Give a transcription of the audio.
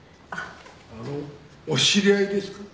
お知り合いですか？